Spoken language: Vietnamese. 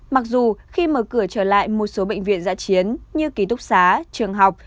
mặc dù khi mở cửa trở lại một số bệnh viện giã chiến như ký túc xá trường học